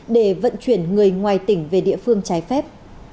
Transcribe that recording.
để vận chuyển người ngoài tỉnh về địa phương trái phép